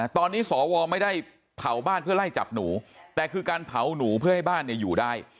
ตอนนี้สวไม่ได้เผาบ้านเพื่อไล่จับหนูแต่คือการเผาหนูเพื่อให้บ้านเนี่ยอยู่ได้